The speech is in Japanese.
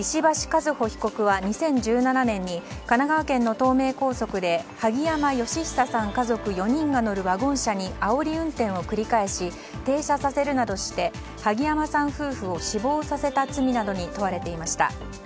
和歩被告は２０１７年に神奈川県の東名高速で萩山嘉久さん家族４人が乗るワゴン車にあおり運転を繰り返し停車させるなどして萩山さん夫婦を死亡させた罪などに問われていました。